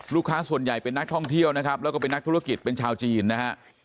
ลูกค้าส่วนใหญ่เป็นนักท่องเที่ยวนะครับแล้วก็เป็นนักธุรกิจเป็นชาวจีนนะฮะ